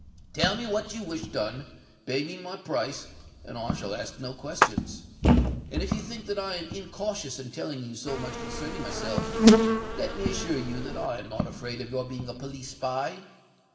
"Tell me what you wish done—pay me my price—and I shall ask you no questions. And if you think that I am incautious in telling you so much concerning myself, let me assure you that I am not afraid of your being a police spy.